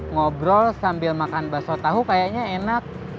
ngobrol sambil makan bakso tahu kayaknya enak